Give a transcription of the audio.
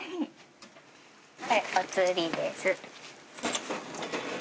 はいお釣りです。